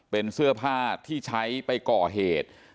เป็นเสื้อผ้าที่ใช้ไปก่อเหตุ